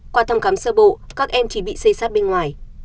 qua thăm khám sơ bộ các em chỉ bị xây sát bên ngoài